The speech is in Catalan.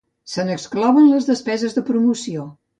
Se n'exclouen les despeses de promoció.